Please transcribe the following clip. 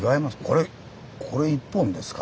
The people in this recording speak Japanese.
これこれ１本ですか。